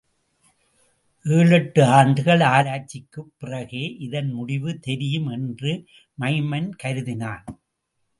ஏழெட்டு ஆண்டுகள் ஆராய்ச்சிக்குப் பிறகே இதன் முடிவு தெரியும் என்று மைமன் கருதினான்.